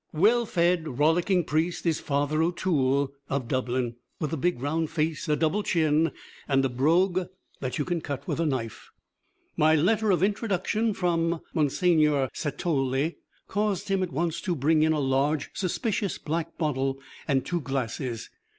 Well fed, rollicking priest is Father O'Toole of Dublin, with a big, round face, a double chin, and a brogue that you can cut with a knife. My letter of introduction from Monseigneur Satolli caused him at once to bring in a large, suspicious, black bottle and two glasses.